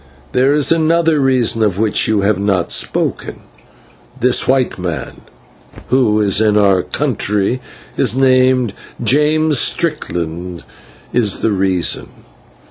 There is another reason of which you have not spoken. This white man, who in his own country is named James Strickland, is the reason.